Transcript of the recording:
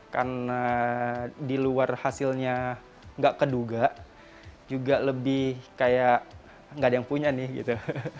karena di luar hasilnya nggak keduga juga lebih kayak nggak ada yang punya nih gitu